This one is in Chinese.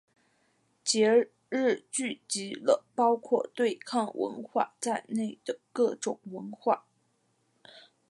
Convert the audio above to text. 节日聚集了包括对抗文化在内的各种文化。